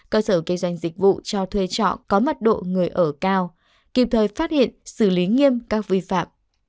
cơ sở kinh doanh dịch vụ cho thuê trọ có mật độ người ở cao kịp thời phát hiện xử lý nghiêm các vi phạm